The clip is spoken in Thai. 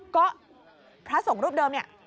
ก็พระสงฆ์รูปเดิมเนี่ย